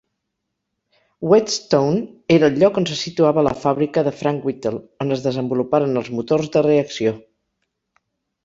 Whetstone era el lloc on se situava la fàbrica de Frank Wittle, on es desenvoluparen els motors de reacció.